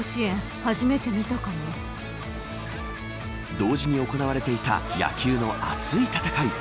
同時に行われていた野球の熱い戦い。